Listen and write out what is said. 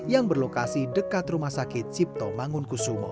yang berlokasi dekat rumah sakit sipto mangunkusumo